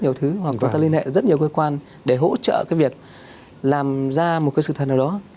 nhiều thứ hoặc người ta liên hệ rất nhiều cơ quan để hỗ trợ cái việc làm ra một cái sự thật nào đó